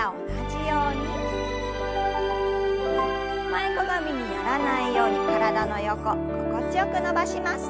前かがみにならないように体の横心地よく伸ばします。